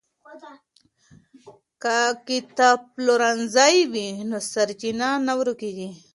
که کتابپلورنځی وي نو سرچینه نه ورکېږي.